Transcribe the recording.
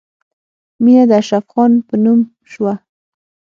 مینه د اشرف خان په نوم شوه